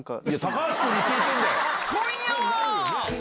今夜は！